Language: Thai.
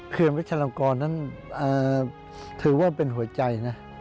เขือนวัชฌาลังกรนั้นถือว่าเป็นหัวใจนะ